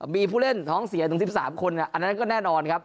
มีผู้เล่นท้องเสียถึง๑๓คนอันนั้นก็แน่นอนครับ